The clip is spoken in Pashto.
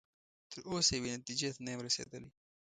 تر اوسه یوې نتیجې ته نه یم رسیدلی.